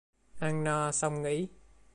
Ăn no, xong nghĩ